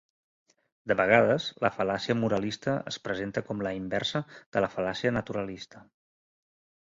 De vegades, la fal·làcia moralista es presenta com la inversa de la fal·làcia naturalista.